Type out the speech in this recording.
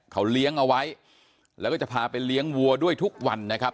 เขาเลี้ยงเอาไว้แล้วก็จะพาไปเลี้ยงวัวด้วยทุกวันนะครับ